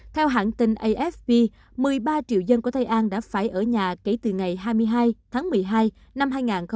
theo hãng tin afp một mươi ba triệu dân của thái an đã phải ở nhà kể từ ngày hai mươi hai tháng một mươi hai năm hai nghìn một mươi chín